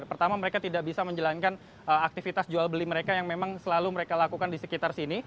pertama mereka tidak bisa menjalankan aktivitas jual beli mereka yang memang selalu mereka lakukan di sekitar sini